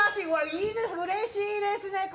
いいですね、うれしいですね。